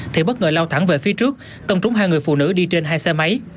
thì bất ngờ lao thẳng về phía trước tông trúng hai người phụ nữ đi trên hai xe máy